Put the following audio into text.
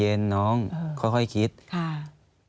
อันดับ๖๓๕จัดใช้วิจิตร